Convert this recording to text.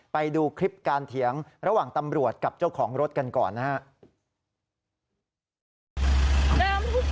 ไปดูคลิปการเถียงระหว่างตำรวจกับเจ้าของรถกันก่อนนะครับ